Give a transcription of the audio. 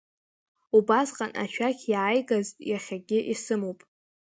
Убасҟан ашәақь иааигаз иахьагьы исымоуп.